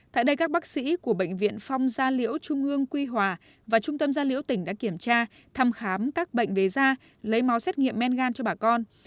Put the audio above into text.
tại đây các bác sĩ của bệnh viện phong gia liễu trung ương quy hòa và trung tâm gia liễu tỉnh đã kiểm tra thăm khám các bệnh về da lấy máu xét nghiệm men gan cho bà con